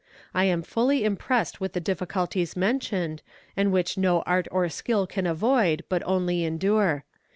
I am fully impressed with the difficulties mentioned, and which no art or skill can avoid, but only endure.